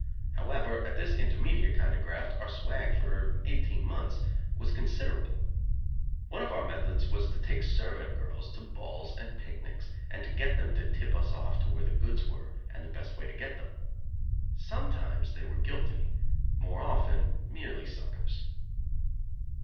However, at this intermediate kind of graft, our swag, for eighteen months, was considerable. One of our methods was to take servant girls to balls and picnics and get them to tip us off to where the goods were and the best way to get them. Sometimes they were guilty, more often merely suckers.